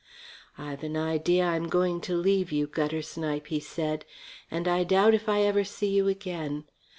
"I've an idea I'm going to leave you, gutter snipe," he said, "and I doubt if I ever see you again.